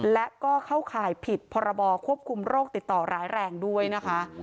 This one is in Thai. และก็เข้าข่ายผิดพรบควบคุมโรคติดต่อร้ายแรงด้วยนะคะ